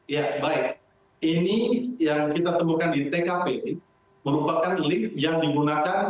ya baik ini yang kita temukan di tkp merupakan lift yang digunakan